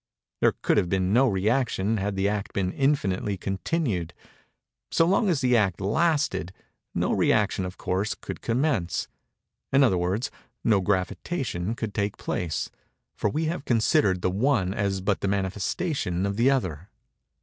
There could have been no rëaction had the act been infinitely continued. So long as the act lasted, no rëaction, of course, could commence; in other words, no gravitation could take place—for we have considered the one as but the manifestation of the other.